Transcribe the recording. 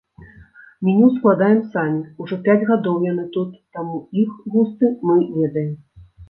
Меню складаем самі, ужо пяць гадоў яны тут, таму іх густы мы ведаем.